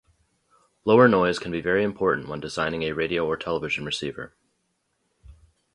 Lower noise can be very important when designing a radio or television receiver.